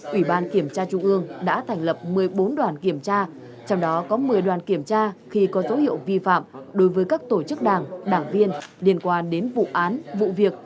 ủy ban kiểm tra trung ương đã thành lập một mươi bốn đoàn kiểm tra trong đó có một mươi đoàn kiểm tra khi có dấu hiệu vi phạm đối với các tổ chức đảng đảng viên liên quan đến vụ án vụ việc